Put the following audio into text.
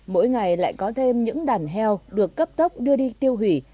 mỗi ngày lại có thêm những đàn heo được cấp tốc đưa đi tiêu hủy